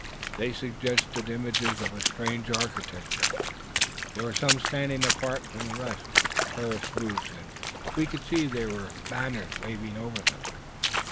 They suggested images of a strange architecture. There were some standing apart from the rest, with terraced roofs, and we could see there were banners waving over them.